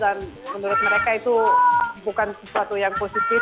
dan menurut mereka itu bukan sesuatu yang positif